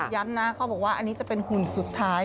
ย้ำนะเขาบอกว่าอันนี้จะเป็นหุ่นสุดท้าย